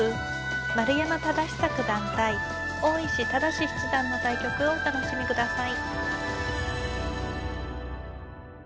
丸山忠久九段対大石直嗣七段の対局をお楽しみください。